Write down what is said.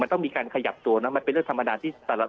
ต้องมีการขยับตัวนะมันเป็นเรื่องธรรมดาที่